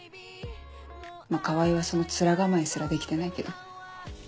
まぁ川合はその面構えすらできてないけど。